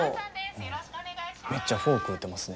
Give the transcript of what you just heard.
うんめっちゃフォー食うてますね。